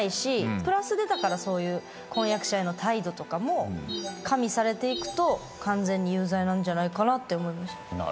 プラスで婚約者への態度とかも加味されていくと完全に有罪なんじゃないかなって思いました。